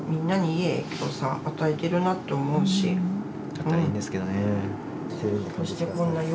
だったらいいんですけどね。